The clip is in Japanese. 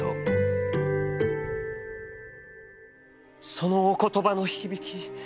「そのお言葉の響き